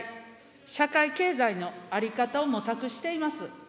社会経済の在り方を模索しています。